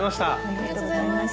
ありがとうございます。